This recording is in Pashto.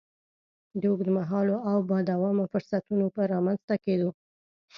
د اوږد مهالو او با دوامه فرصتونو په رامنځ ته کېدو.